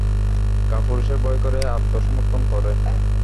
কাপুরুষে ভয় করে, আত্মসমর্থন করে।